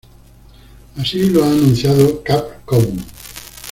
Así lo ha anunciado Capcom.